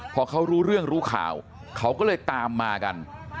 พอเขารู้เรื่องรู้ข่าวเขาก็เลยตามมากัน